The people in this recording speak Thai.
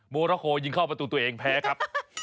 โมราโฮยิงเข้าประตูตัวเองแพ้ครับ